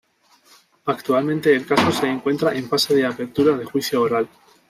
Actualmente el caso se encuentra en fase de apertura de juicio oral.